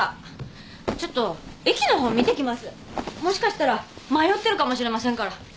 もしかしたら迷ってるかもしれませんから。